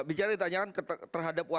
bicara tanyakan terhadap wajah